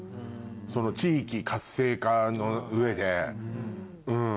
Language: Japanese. その地域活性化の上でうん。